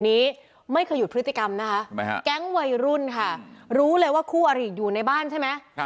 นี้ไม่เคยหยุดพฤติกรรมนะคะแก๊งวัยรุ่นค่ะรู้เลยว่าคู่อริอยู่ในบ้านใช่ไหม